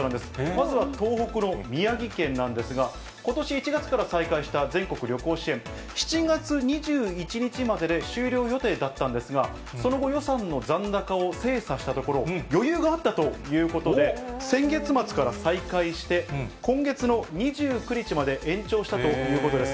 まずは東北の宮城県なんですが、ことし１月から再開した全国旅行支援、７月２１日までで終了予定だったんですが、その後、予算の残高を精査したところ、余裕があったということで、先月末から再開して、今月の２９日まで延長したということです。